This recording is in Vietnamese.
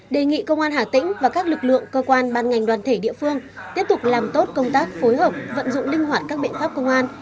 đề nghị công an hà tĩnh và các lực lượng cơ quan ban ngành đoàn thể địa phương tiếp tục làm tốt công tác phối hợp vận dụng linh hoạt các biện pháp công an